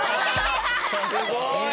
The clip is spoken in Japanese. すごい！